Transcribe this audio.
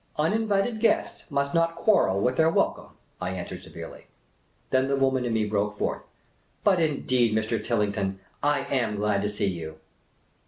" Uninvited guests must not quarrel with their welcome," I answered severely. Then the woman in me broke forth. " But, indeed, Mr. Tillington, I am glad to see j'ou."